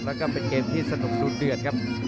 แล้วก็เป็นเกมที่สนุกดูเดือดครับ